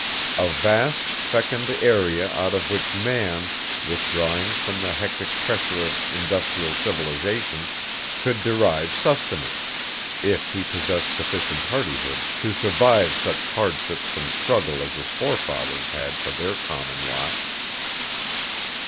A vast, fecund area out of which man, withdrawing from the hectic pressure of industrial civilization, could derive sustenance, if he possessed sufficient hardihood to survive such hardships and struggle as his forefathers had for their common lot.